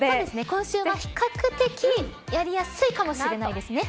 今週は比較的やりやすいかもしれないですね。